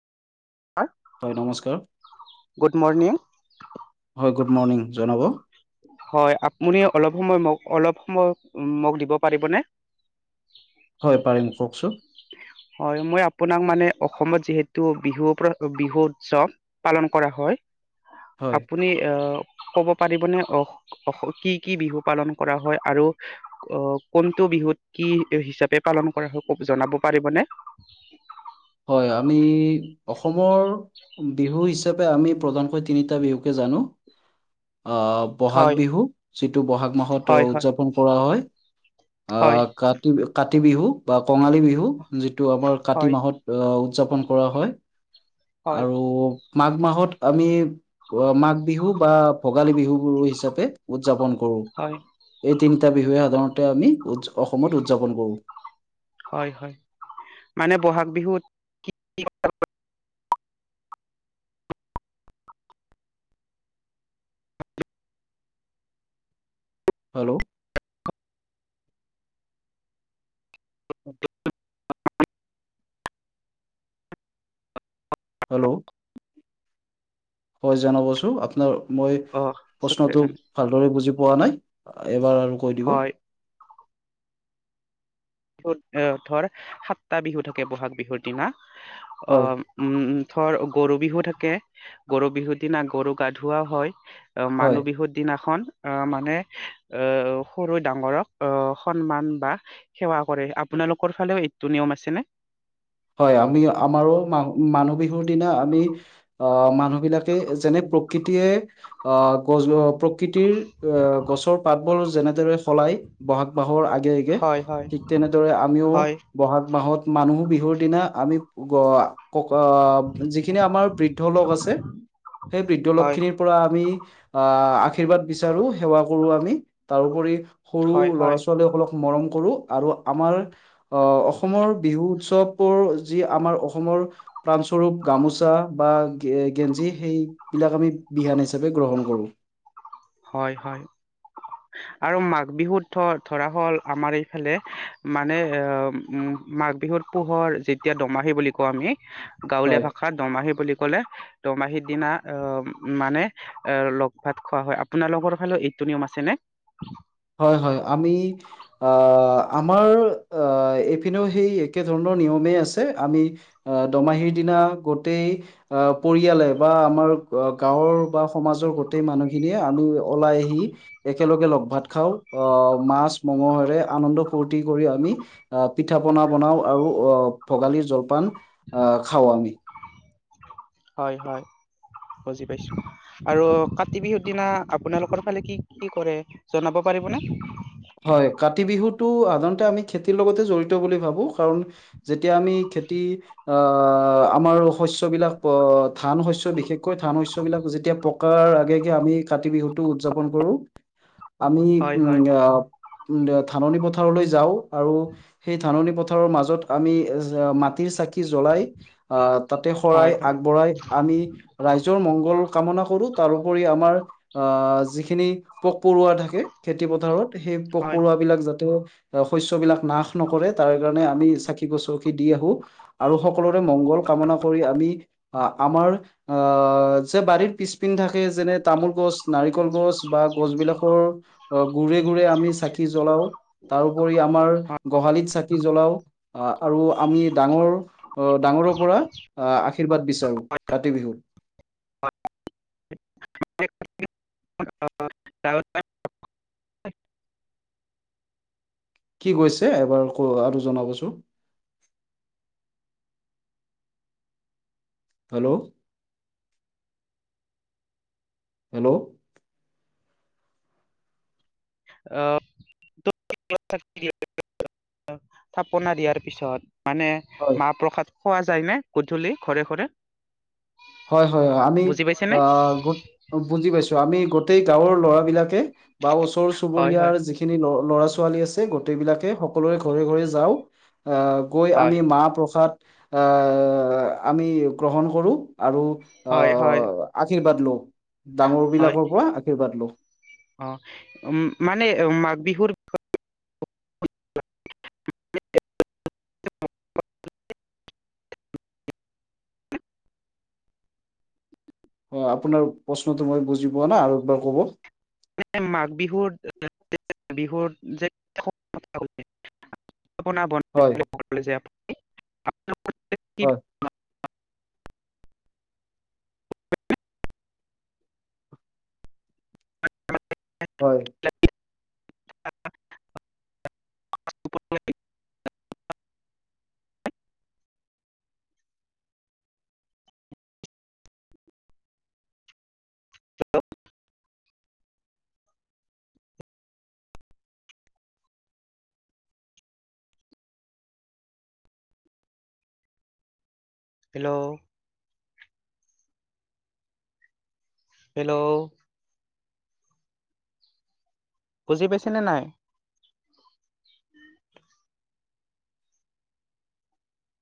হয়, নমস্কাৰ। Good morning হয়, গুড মৰ্ণিং জনাব। হয়, আপুনি অলপ সময় মোক অলপ সময় মোক দিব পাৰিবনে! হয়, পাৰিম কওকচোন! হয়, মই আপোনাক মানে অসমত যিহেতু বিহুৰ ওপৰত, বিহু উৎসৱ পালন কৰা হয়। হয় আপুনি আহ ক'ব পাৰিবনে! অ, কি কি বিহু পালন কৰা হয়, আৰু অহ, কোনটো বিহুত কি হিচাপে পালন কৰা হয়, জনাব পাৰিবনে! হয়, আমি অসমৰ বিহু হিচাপে আমি, প্ৰধানকৈ তিনিটা বিহুকে জানো। আহ। বহাগ হয় বিহু, যিটো বহাগ মাহত হয় হয় উদযাপন কৰা হয়। হয় আহ, কাতি-কাতি বিহু বা কঙালী বিহু, যিটো আমাৰ কাতি হয় মাহত আহ, উদযাপন কৰা হয়, হয় আৰু মাঘ মাহত আমি মাঘ বিহু বা ভোগালী বিহু হিচাপে উদযাপন কৰো। হয়। এই তিনিটা বিহুৱে সাধাৰণতে আমি উদ, অসমত উদযাপন কৰোঁ। হয়, হয়, মানে বহাগ বিহুত হেল্ল'! হেল্ল'! হয়। জনাবচোন আপোনাৰ মই অ প্ৰশ্নটো ভালদৰে বুজি পোৱা নাই এবাৰ আৰু কৈ দিব। হয় ধৰ সাতটা বিহু থাকে বহাগ বিহুৰ দিনা। হয় অহ উম, ধৰ গৰু বিহু থাকে, গৰু বিহুৰ দিনা গৰু গা ধুওঁৱা হয়। হয় মানুহ বিহুৰ দিনাখন আহ মানে আহ সৰুয়ে ডাঙৰক আহ সন্মান বা সেৱা কৰে, আপোনালোকৰ ফালেও এইটো নিয়ম আছেনে? হয়, আমি আমাৰো মা মানুহ বিহুৰ দিনা আমি আহ মানুহ বিলাকে যেনে প্ৰকৃতিয়ে আহ গছ প্ৰ কৃতিৰ এ গছৰ পাতবোৰ যেনেদৰে সল লাই বহাগ মাহৰ আগে আগে, হয় হয় ঠিক তেনেদৰে আমিও হয় বহাগ মাহত মানুহ বিহুৰ দিনা আমি ক যিখিনি আমাৰ বৃ বৃদ্ধ লোক আছে, সেই বৃদ্ধ লোক হয় খিনিৰ পৰা আহ আশীৰ্বাদ বিচাৰো সেৱা কৰো আমি, তাৰপৰি সৰু হয় ল'ৰা হয় ছোৱালীসকলক মৰম কৰোঁ, আৰু আমাৰ অঁ অসমৰ বিহু উৎসৱ যি আমাৰ অসমৰ প্ৰাণস্বৰূপ গামোচা বা গেঞ্জি সেই সেই বিলাক আমি বিহুৱান হিচাপে গ্ৰহণ কৰোঁ। হয়, হয়। আৰু মাঘ বিহুত ধ ধৰা হ'ল, আমাৰ এইফালে মানে মাঘ বিহুত পুহৰ যেতিয়া দোমাহি বুলি কওঁ আমি, গাঁৱলীয়া হয় ভাষাত দোমাহী বুলি ক'লে দোমাহীৰ দিনা অঁ মানে এ লগ ভাত খোৱা হয়। আপোনালোকৰ ফালেও এইটো নিয়ম আছে নে? হয়, হয়। আমি আঁ, আমাৰ আ, এইপিনেও সেই একে ধৰণৰ নিয়মেই আছে। আমি আঁ, দোমাহিৰ দিনা গোটেই আঁ, পৰিয়ালে বা আমাৰ গাঁৱৰ বা সমাজৰ গোটেই মানুহখিনিয়ে আমি ওলাই আহি একেলগে লগ ভাত খাওঁ, আহ মাছ মঙহেৰে আনন্দ ফূুৰ্তি কৰি আমি আঁ পিঠা পনা বনাওঁ আৰু আঁ ভোগালীৰ জলপান আঁ খাওঁ আমি। হয়, হয়, বুজি পাইছো। আৰু কাতি বিহুৰ দিনা আপোনালোকৰ ফালে কি কি কৰে জনাব পাৰিবনে? হয়, কাতি বিহুতটো সাধাৰণতে আমি খেতিৰ লগতে জড়িত বুলি ভাবো, কাৰণ যেতিয়া আমি খেতি আঁ আমাৰ শস্য বিলাক অ' ধান শস্যৰ বিশেষকৈ ধান শস্য বিলাক যেতিয়া পকে পকাৰ আগে আগে আমি কাতি বিহুটো উদযাপন কৰোঁ। [inaudible] আমি হয় উম হয় আহ উম ধাননি পথাৰলৈ যাওঁ, আৰু সেই ধাননি পথাৰৰ মাজত আমি এ মাটিৰ চাকি জ্বলাই অ তাতে শৰাই হয় হয় আগবঢ়াই আমি ৰাইজৰ মংগল কামনা কৰো, তাৰোপৰি আমাৰ আঁ, যিখিনি পোক পৰুৱা থাকে খেতি পথাৰত সেই পোক হয় পৰুৱাবিলাক যাতে শস্যবিলাক নাশ নকৰে, তাৰ কাৰণে আমি চাকি গছি দি আহো। আৰু সকলোৰে মংগল কামনা কৰি আমি আ আমাৰ অ' যে বাৰীৰ পিছপিনে থাকে যেনে তামোল গছ নাৰিকল গছ বা গছ বিলাকৰ গুৰিত তে আমি চাকি জ্বলাও, তাৰ ঊপৰিও আমি গোহালিত কি চাকি জ্বলাও, আ আৰু আমি ডাঙৰ- অ, ডাঙৰৰ পৰা আ আশীৰ্বাদ বিচাৰো, কাতি বিহুত। [unintelligible] [unintelligible] কি কৈছে এবাৰ কথাটো জনাবছোন? হেল্লৌ' হেল্লৌ' আ [unintelligible] থাপনা দিয়াৰ পিছত, হয় মানে- মাহ প্ৰসাদ খোৱা যায় নে গধূলি ঘৰে ঘৰে? হয় হয় হয়, আমি বুজি পাইছে আ নে বুজি পাইছো আমি গোটেই গাঁওৰ ল'ৰা বিলাকে- বা ওচৰ হয় চুবুৰীয়াৰ হয় যিখি- খিনি ল'ৰা ছোৱালী আছে, গোটেই বিলাকে সকলোৰে ঘৰে ঘৰে যাওঁ, আ- গৈ হয় আমি মাহ প্ৰসাদ আ আমি গ্ৰহণ কৰোঁ আৰু- হয়, হয়। আহ আশীৰ্বাদ লওঁ, ডাঙৰ বিলাকৰ পৰা আশীৰ্বাদ লওঁ। অঁ, উম মানে মাঘ বিহুৰ- [unintelligible] [unintelligible] অঁ আপোনাৰ প্ৰশ্নটো মই বুজি পোৱা নাই আৰু একবাৰ ক'ব। মানে মাঘ বিহুত [unintelligible] বিহুত যে [unintelligible] পিঠা পনা বন- হয় যে আপ- হয়। [unintelligible] হয়। [unintelligible] হেল্লৌ' হেল্লৌ' হেল্লৌ' বুজি পাইছেনে নাই?